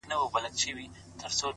هوډ د وېرې سیوري لنډوي